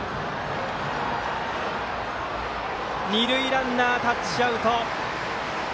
二塁ランナー、タッチアウト。